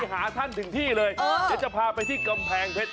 หาท่านถึงที่เลยเดี๋ยวจะพาไปที่กำแพงเพชร